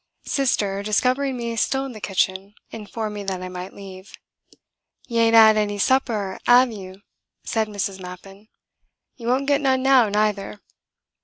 Sister, discovering me still in the kitchen, informed me that I might leave. "You ain't 'ad any supper, 'ave you?" said Mrs. Mappin. "You won't get none now, neither.